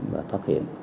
và phát hiện